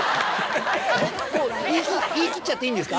言い切っちゃっていいんですか？